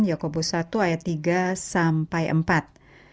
yaakobus satu ayat tiga empat